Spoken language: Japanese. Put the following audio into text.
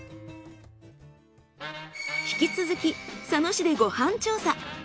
引き続き佐野市でご飯調査。